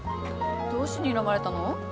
どうしてにらまれたの？